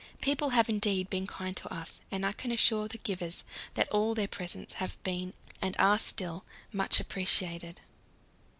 People have indeed been kind to us, and I can assure the givers that all their presents have been, and are still, much appreciated.